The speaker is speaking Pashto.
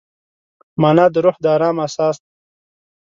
مانا د روح د ارام اساس دی.